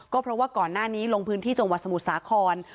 ก็เพราะว่าก่อนหน้านี้ลงพื้นที่จังหวัดสมุทรสาคร